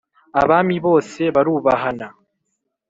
Abami bose barubahana.